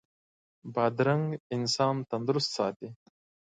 بادرنګ انسان تندرست ساتي.